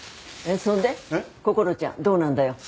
そんでこころちゃんどうなんだよ？